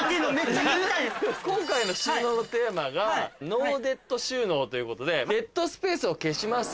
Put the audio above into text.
今回の収納のテーマがノーデッド収納ということでデッドスペースを消します。